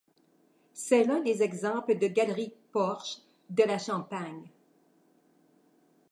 C'est l'un des exemples de galerie-porche de la Champagne.